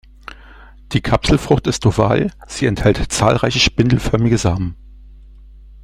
Die Kapselfrucht ist oval, sie enthält zahlreiche spindelförmige Samen.